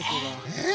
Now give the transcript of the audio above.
えっ！